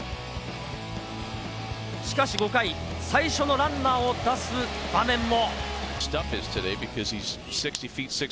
しかし５回、最初のランナーを出す場面も。